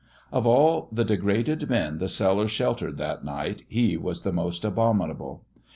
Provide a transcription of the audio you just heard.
Of all the degraded men the cellar sheltered that night he was the most abominable.